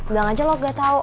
bilang aja lo gak tau